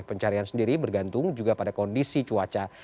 pencarian sendiri bergantung juga pada kondisi cuaca